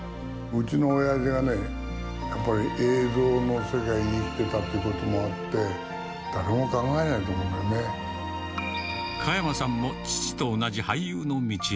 うちのおやじがね、やっぱり映像の世界に生きていたということもあって、加山さんも父と同じ俳優の道へ。